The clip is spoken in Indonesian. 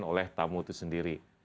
oleh tamu itu sendiri